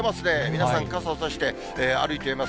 皆さん、傘を差して歩いています。